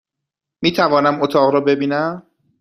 میتوانم اتاق را ببینم؟